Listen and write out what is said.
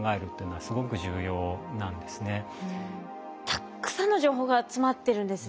たっくさんの情報が詰まってるんですね。